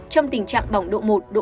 trong tình trạng bỏng độ một độ hai